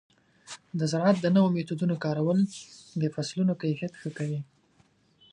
د زراعت د نوو میتودونو کارول د فصلونو کیفیت ښه کوي.